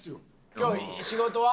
今日仕事は？